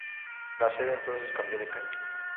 La sede entonces cambió de calle.